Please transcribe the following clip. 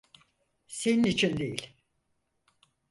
Senin için değil.